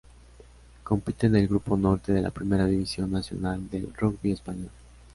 Compite en el Grupo Norte de la Primera División Nacional del rugby español.